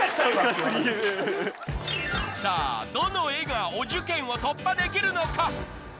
さぁどの絵がお受験を突破できるのか？